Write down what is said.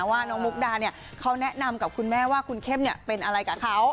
ว่าน้องมุกดาเนี่ยเขาแนะนำกับคุณแม่ว่าคุณเข้มเป็นอะไรกับเขา